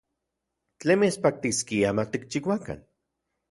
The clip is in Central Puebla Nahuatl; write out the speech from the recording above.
¿Tlen mitspaktiskia matikchiuakan?